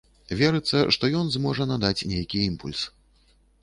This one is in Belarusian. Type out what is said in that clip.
Верыцца, што ён зможа надаць нейкі імпульс.